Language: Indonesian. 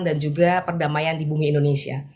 dan juga perdamaian di bumi indonesia